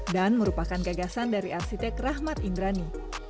dan merupakan gagasan dari arsitek rahmat indrani